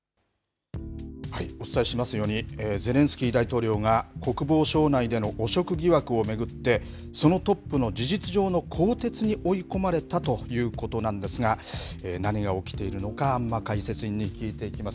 お伝えしましたように、ゼレンスキー大統領が国防省内での汚職疑惑を巡って、そのトップの事実上の更迭に追い込まれたということなんですが、何が起きているのか、安間解説委員に聞いていきます。